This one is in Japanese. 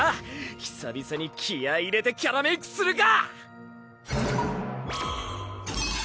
久々に気合い入れてキャラメイクするか！